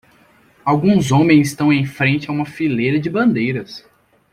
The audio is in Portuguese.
Alguns homens estão em frente a uma fileira de bandeiras.